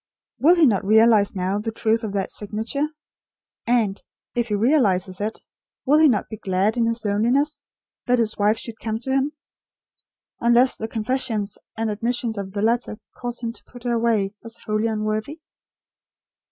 Will he not realise now the truth of that signature; and, if he realises it, will he not be glad in his loneliness, that his wife should come to him; unless the confessions and admissions of the letter cause him to put her away as wholly unworthy?